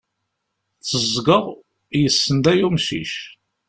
Teẓẓgeɣ, yessenday umcic.